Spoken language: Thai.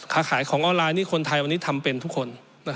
ขายของออนไลน์นี่คนไทยวันนี้ทำเป็นทุกคน